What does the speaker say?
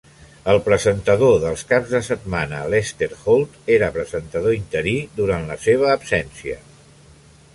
El presentador dels caps de setmana, Lester Holt, era presentador interí durant la seva absència.